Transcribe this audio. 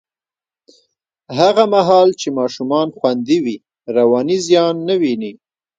هغه مهال چې ماشومان خوندي وي، رواني زیان نه ویني.